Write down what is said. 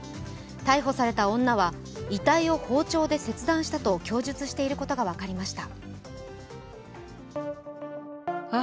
逮捕された女は遺体を包丁で切断したと供述していることが分かりました。